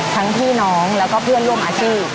พี่น้องแล้วก็เพื่อนร่วมอาชีพ